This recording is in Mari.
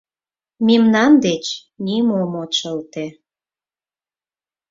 Мемнан деч нимом от шылте.